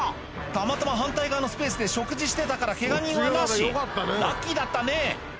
たまたま反対側のスペースで食事してたからケガ人はなしラッキーだったね